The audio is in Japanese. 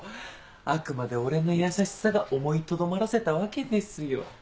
あくまで俺の優しさが思いとどまらせたわけですよ。